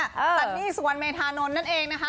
ซันนี่สุวรรณเมธานนท์นั่นเองนะคะ